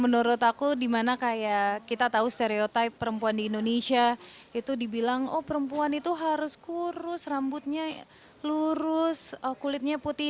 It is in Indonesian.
menurut aku dimana kayak kita tahu stereotype perempuan di indonesia itu dibilang oh perempuan itu harus kurus rambutnya lurus kulitnya putih